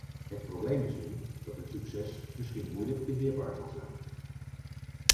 Het probleem is nu dat het succes misschien moeilijk beheerbaar zal zijn.